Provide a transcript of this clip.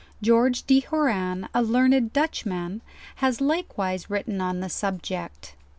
George de Hornn, a learned Dutchman, has likewise written on the, subject.